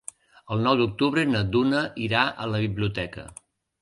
El nou d'octubre na Duna irà a la biblioteca.